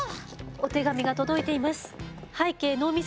お手紙が届いています。